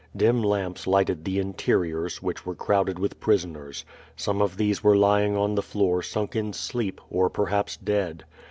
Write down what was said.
Dim lamps lighted the interiors^ which were crowded with prisoners. Some of these were lying on Ihe floor sunk in sleep, or j)erha})s dead.